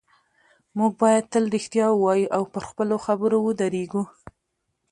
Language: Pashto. موږ باید تل رښتیا ووایو او پر خپلو خبرو ودرېږو